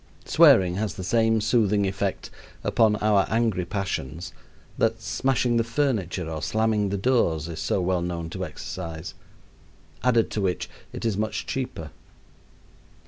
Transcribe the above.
Swearing has the same soothing effect upon our angry passions that smashing the furniture or slamming the doors is so well known to exercise; added to which it is much cheaper.